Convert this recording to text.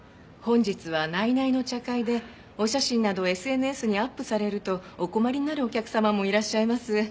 本日は内々の茶会でお写真などをＳＮＳにアップされるとお困りになるお客様もいらっしゃいます。